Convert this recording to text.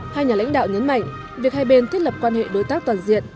hai nhà lãnh đạo nhấn mạnh việc hai bên thiết lập quan hệ đối tác toàn diện